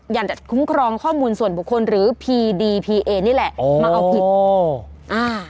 อย่างจัดคุ้มครองข้อมูลส่วนบุคคลหรือพีดีพีเอนี่แหละอ๋ออ่า